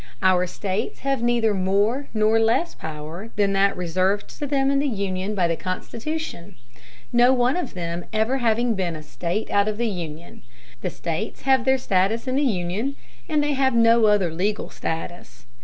Our States have neither more nor less power than that reserved to them in the Union by the Constitution no one of them ever having been a State out of the Union.... The States have their status in the Union, and they have no other legal status.